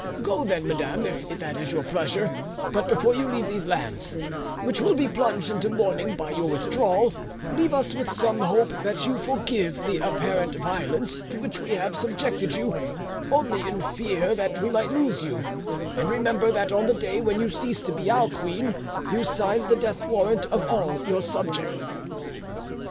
Go then, madam, if that is your pleasure, but before you leave these lands, which will be plunged into mourning by your withdrawal, leave with us some hope that you forgive the apparent violence to which we have subjected you, only in the fear that we might lose you; and remember that on the day when you cease to be our queen you sign the death warrant of all your subjects."